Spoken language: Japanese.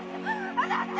あなた！